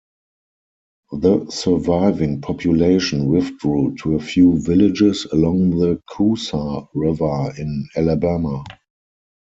The surviving population withdrew to a few villages along the Coosa River in Alabama.